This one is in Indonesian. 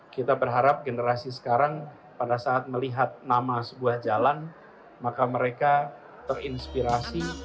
kita berharap generasi sekarang pada saat melihat nama sebuah jalan maka mereka terinspirasi